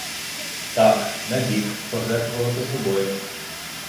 Так, набік, пожертвувати собою.